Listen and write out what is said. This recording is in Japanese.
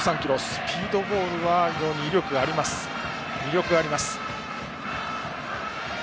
スピードボールは威力があります松山。